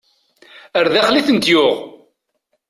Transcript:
Ar daxel i tent-yuɣ.